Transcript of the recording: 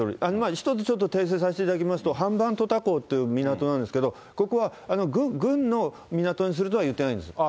一つちょっと訂正させていただきますと、という港なんですけど、軍の港にするとは言ってないんですよ。